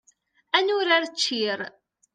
Ad nurar ččir.